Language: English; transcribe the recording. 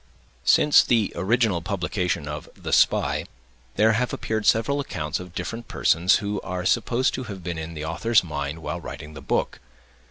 Since the original publication of The Spy, there have appeared several accounts of different persons who are supposed to have been in the author's mind while writing the book.